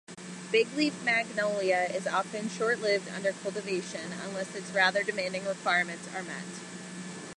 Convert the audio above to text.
Bigleaf magnolia is often short-lived under cultivation unless its rather demanding requirements are met.